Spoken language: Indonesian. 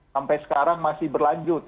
sampai sekarang masih berlanjut